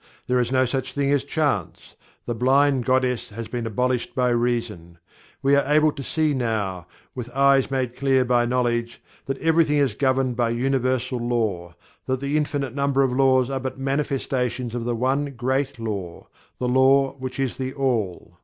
There is no such thing as Chance. The blind goddess has been abolished by Reason. We are able to see now, with eyes made clear by knowledge, that everything is governed by Universal Law that the infinite number of laws are but manifestations of the One Great Law the LAW which is THE ALL.